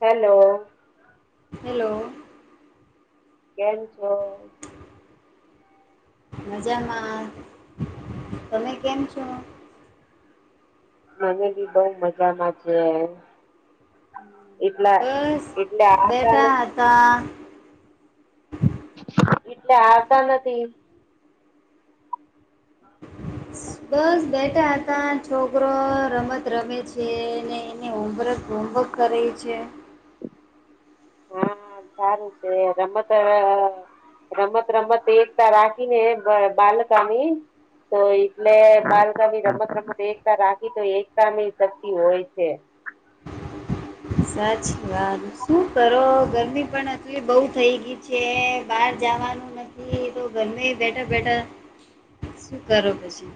Hello hello કેમ છો મજામાં તમે કેમ છો મને બી બઉ મજામાં છે એ એટલા એટલે આ હા એટલે આવતા નથી બસ બેઠા હતા છોકરો રમત રમે છે ને એને હોમવર્ક હોમવર્ક કરહી છે હા સારું છે રમત રમત રમત એકતા રાખીને બાલકા ની તો એટલે બાળકામી રમત રમત એકતા રાખી તો એકતાની શક્તિ હોય છે સાચી વાત શું કરો ગરમી પણ હતલી બઉ થઈ ગઈ છે બહાર જવાનું નથી તો ઘરમે બેઠા બેઠા શું કરો પછી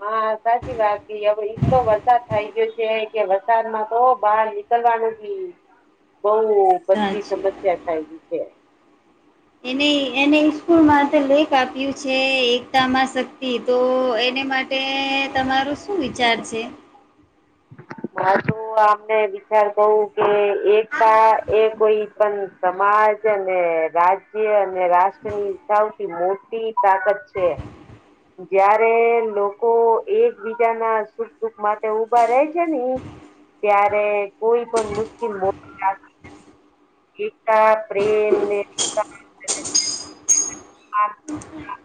હા સાચી વાત હવે એટલો વરસાદ થઈ ગયો છે કે વરસાદ માં તો બાર કરવાનું બહ બધી સાચી વાત સમસ્યા થાયલી છે એને એને સ્કૂલમાં તો લેખ આપ્યું છે એકતા માં શક્તિ તો એનેવી માટે એ તમારો શું વિચાર છે હજુ અમને વિચાર કવું કે એકતા એ કોઈ સમાજ અને રાજ્ય અને રાષ્ટ્ર ની સૌથી મોટી તાકાત છે જયારે લોકો એકબીજા ના સુખ દુખ માટે ભરે છે ને ત્યારે કોઈ પણ મુશ્કેલ બ એકતા પ્રેમ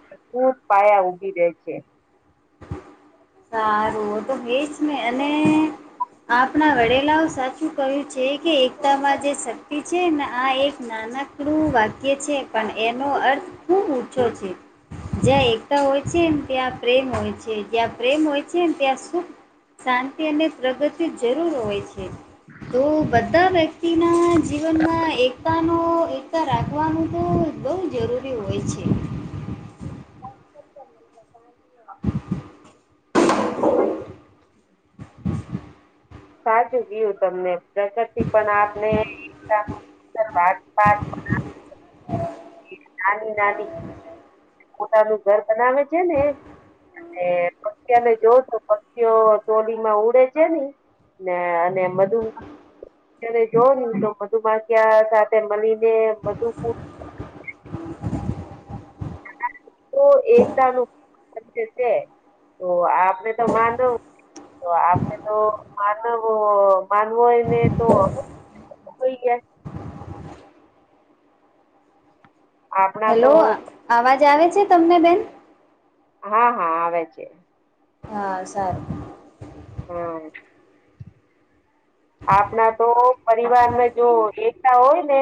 ભપૂર પાયા ઉગી રે છે સારું તો હજ ને અને આપણા વડેલાઓ સાચું કહ્યું છે કે એકતામાં જે શક્તિ છે ને આ એક નાનક શું વાક્ય છે પણ એનો અર્થ ખૂબ ઊંચો છે જ્યાં એકતા હોય છે ને ત્યાં પ્રેમ હોય છે જ્યાં પ્રેમ હોય છેને ત્યાં સુખ શાંતિ અને પ્રગતિ જરૂર હોય છે તો બધા વ્યક્તિના જીવનમાં એકતાનો એકતા રાખવાનું તો બહુ જરૂરી હોય છે. [inaudible] હ સાચું ગયું તમને પ્રગતિ પણ આપનેતા નાની નાની પોતાનું ઘર બનાવે છે ને અને પખી ને જો તો પક્ષીઓ ટોલીમાં ઉડે છે ને ને અને એ બધું ત જો તો મધું માક્યા સાથે મળીને બધું તો એકતા નું છે તો આપણે તો માનવ તો આપડે તો માનવ માનવો હોય ને તો હોઈય. આપણા તો હેલો અવાજ આવે છે તમને બેન. હા હા આવે છે. હા સાર હમ આપણા તો પરિવારમાં જો એકતા હોય ને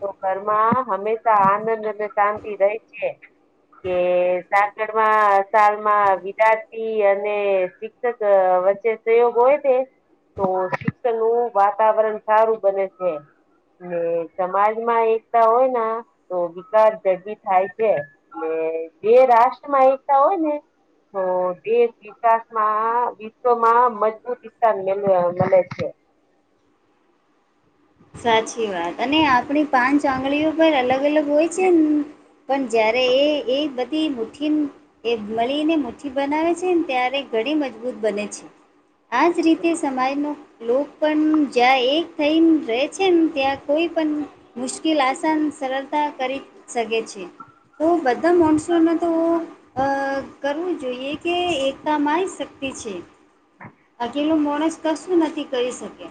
તો ઘરમાં હંમેશા આનંદ અને શાંતિ રહેે છે. કે સાકળમાં શાલમાં વિદ્યાર્થી અને ક વચ્ચે સહયોગ હોય તે તો શિક્ષણ નું વાતાવરણ સારું બને છે ને સમાજમાં એકતા હોય તો વિકાસ ઝડબી થાય છે. એ જે રાષ્ટ્ર માં એકતા હોય ને તો દ વિકાસમાં વિશ્વમાં મજબૂત સ્થાન મળે છે. સાચી વાત અને આપણી પાંચ આંગળીઓ પર અલગ અલગ હોય છે પણ જયારે એ એ બધી મુઠ્ઠી એ મળીને મુઠ્ઠી બનાવે છેને ત્યારે ઘણી મજબૂત બને છે. આજ રીતે સમાજનો લો પણ જ્યાં એક થઈને રહે. છે ત્યાં કોઈ પણ મુશ્કેલ આસાન સરળતા કરી શકે છે. તો બધા મોનસૂનમાં તો અ કરવું જોઈએ કે એકતા માય શક્તિ છે. અકેલો માણસ કશું નથી કરી શકે.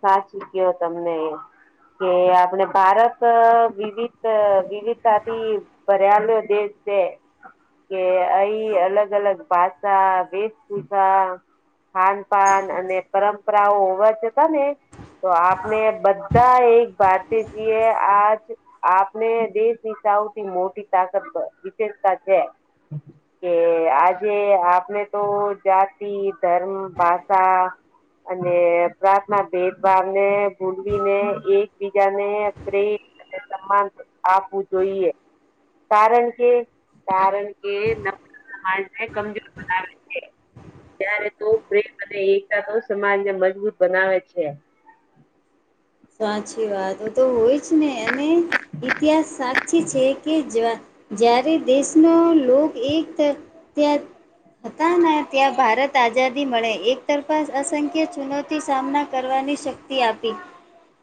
સાચી ગયો તમને એ કે આપણે ભારત વિવિધ વિવિધતાથી પરયાલો દ છે. કે અ અલગ અલગ ભાષા વેશભૂષા ખાન પાાન અને પરંપરાઓ હોવાજતા ને તો આપને બધા એક વાત જીએ આજ આપને દેશની સૌથી મોટી તાકાત વિશેેષતા છે. કે આજે આપણે તો જાતિ ધર્મ ભાષા અને પ્રાર્થના ભેદભાવ ને ભૂલવીને એકબીજા ને પ્રે અને સમાન આપવું જોઈએ. કારણ કે કારણ કે ને કમજોર બનાવે છે ત્યારે તો પ્રેમ અને એકતા તો સમાજને મજબૂત બનાવે છે. સાચી વાતો તો હોય જ ને અને ઇતિહાસ સાક્ષી છે કે જ જ્યારે દેશનો લો એક ત્યાં હતા ને ત્યાં ભારત આઝાદી મળે એક તરફા અસંખ્ય ચુનૌતી સામના કરવાની શક આપ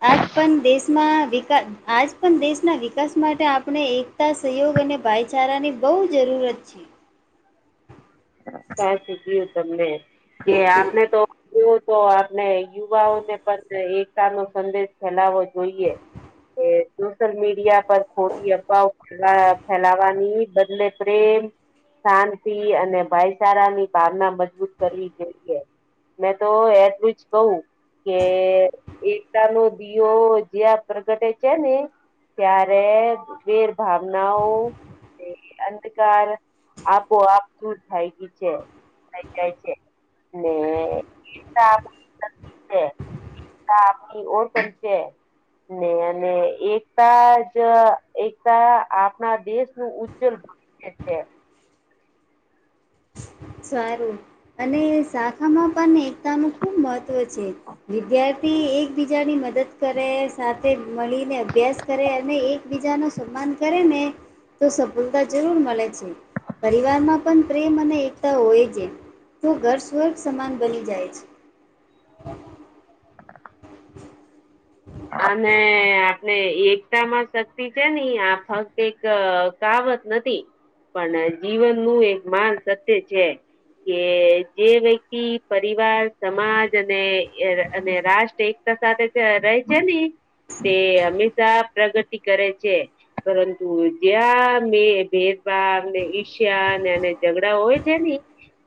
આજ પણ દેશમાં વિકાસ આજ પણ દેશના વિકાસ માટે આપણે એકતા સહયોગ અને ભાઈચારાની બહુ જરૂરત છે. સા શું કયું તમને કે આપને તો એવ તો આપણે યુવાઓ ને પણ એકતા નો સંદેશ ફેલાવવો જોઈએ. એ સોશલ મીડિયા પર ખોટી અફવાઓ ફેલાવાની બદલે પ્રેમ શાંતિ અને ભાઈ સારાની ભાવના મજબૂત કરવી જોઈએ મેં તો એટલું જ કહું. કે એકતા નો દિયો જ્યાં પ્રગટે છે ને ત્યારે વીર ભાવનાઓ, એ અંધકાર આપોઆપ શું થાય ગય છે. જાય છે. આપણી ઓર કરચ ને અને એકતા જ એકતા આપણા દેશનું ઉજ્જવલ એ છે. ખ સારું અને શાખામાં પણ એકતાનું ખૂબ મહત્ત્વ છે, વિ તી એક એકબીજાની મદદ કરે સાથે મળીને અભ્યાસ કરે, અને એકબીજા ન સન્માન કરે ને તો સફલતા જરૂર મળે છે, પરિવારમાં પણ પ્રેમ અને હોય છે તો ઘર સ્વર્પ સમાન બની જાય છે. [unintelligible] અને આપણે એકતામાં શક્તિ છે, ની આ ફક્ત એક કાવત નથી પણ જીવનનું એક માન સત્ય છે. કે જે વ્યક્તિ પરિવાર સમાજ અને અને રાષ્ટ્ર એક સાથે ર છે ને તે હંમેશા પ્રગતિ કરે છે. પરંતુ જ્યાં મેં ભેદભાવને ઈશ્યા ઝઘડા હોય છે ને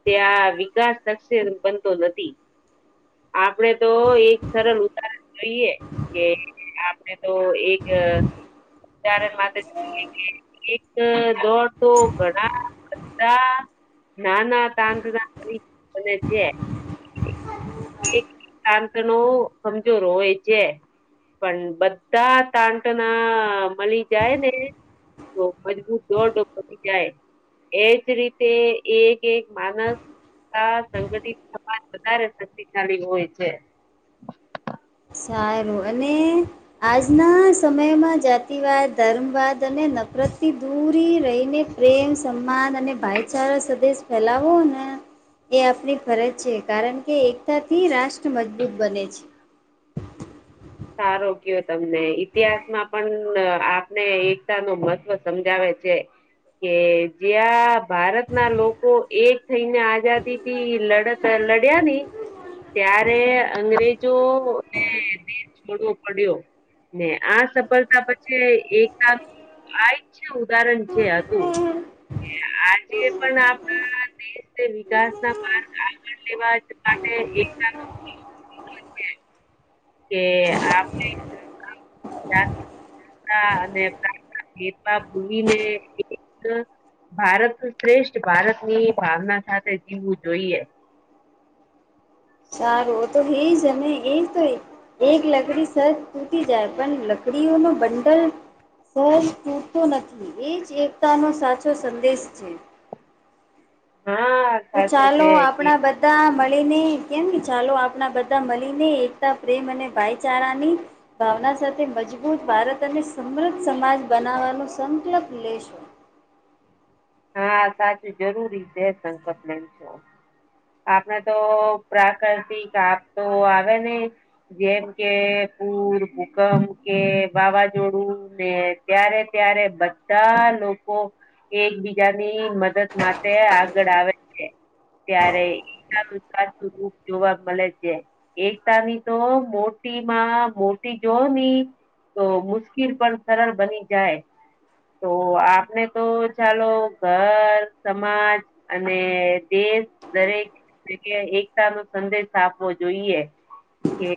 ત્યાં વિકાસ નકશે બનતો નથી. આપડે તો એક સરળ ઉતારણ જોઈએ, કે આપડે તો એક ત્યારે એક દોડ તો ઘણા બધા નાના તાંગ ના છે. એક શાંત નો કમજોર હોય છે, પણ બધા તાંટના મળી જાય ને. તો મજબૂત દોડ તો પ જાય. એજ રીતે એક એક માનસ સંગઠિત સમાજ વધારે શક્તિશાળી હોય છે. સારું અને આજના સમયમાં જાતિવાદ ધર્મવાદ અને નફરતથી દૂર રહીને, પ્રેમ સન્માન અને ભાઈચારા સદેશ ફેલાવો ને એ આપની ફરજ છે કારણ કે એકતાથી રાષ્ટ્ર મજબૂત બને છે, સારો કયો તમને ઈતિહાસમાં પણ આપને એકતા ન મહત્વ સમજાવે છે. કે જ્યાં ભારતના લોકો એક થઈને આઝાદી થી લડત લડ્યા નની ત્યારે અંગ્રેજો ને દેશ છોડવો પડ્યો ને આ સફળતા પછી એકતા આ છે, ઉદાહરણ જે હતું કે આજે પણ આપણા વિકાસ ના માર્ગ આગળ લેવા માટે કે આપ [inaudible] હા, અને પ્રાર્થના ભેદમાં ભૂલીને એક ભારત શ્રેષ્ઠ ભારત ની ભાવના સાથે જીવવું જોઈએ. સારું તો હિજ એજ કરે. એક લકડી સજ તૂટી જાય, પણ લકડીઓનો બંડલ સહજ તુટતો નથી એ જ એકતાનો સાચો સંદેશ છે. હા. તો સાચું ચાલો છે કે આપણા બ ધા મળીને કેન કે ચાલો આપણા બધા મલીને એકતા પ્રેમ અને ભાઈચારાની ભાવના સાથે મજબૂત ભારત અને સમૃદ્ધ સમાજ બનાવવાનો સંકલપ લેશું. હા સાચું જરૂરી છે સંકલ્પ લઈ છો. આપણે તો પ્રાકૃતિક આપ તો આવે ને જેમ કે પુર, ભૂકંપ કે વાવાઝોડું ને ત્યારે ત્યારે બધા લોકો એકબી જાની મદદ માટે આગળ આવે છે. ત્યારે એ સારું સાચું રૂપ જોવા મળે છે. એકતાની તો મોટી માં મોટી જો ની તો મુશ્કેલ પણ સરળ બની જાય. તો આપને તો ચાલો ઘર સમાજ અને દેશ દરેક એ કે એકતા નો સંદેશ આપવો જોઈએ. કે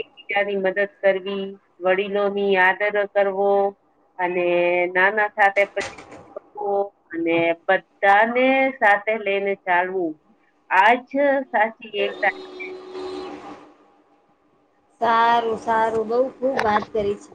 એકબીજાની મદદ કરવી વડીલો ની આદર કરવો. અને નાના થા પછી [unintelligible] અને બધાને સાથે લઈને ચાલવું આજ સાચી એકતા સારું સારું બઉ ખુબ વાત કરી છે.